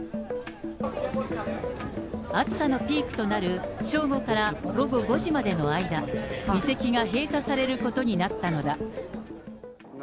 暑さのピークとなる正午から午後５時までの間、遺跡が閉鎖されることになったのだ。